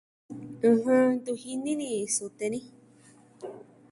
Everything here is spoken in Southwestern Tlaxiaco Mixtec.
ɨjɨn. Ntu jini ni sute ni.